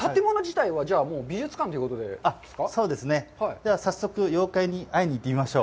では、早速、妖怪に会いに行きましょう。